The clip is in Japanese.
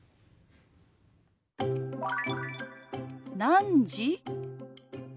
「何時？」。